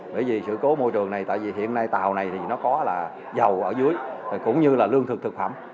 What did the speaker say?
bởi vì sự cố môi trường này tại vì hiện nay tàu này thì nó có là dầu ở dưới cũng như là lương thực thực phẩm